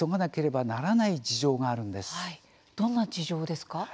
どんな事情ですか？